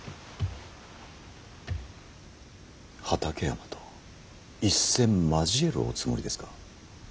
畠山と一戦交えるおつもりですか。